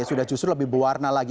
sudah justru lebih berwarna lagi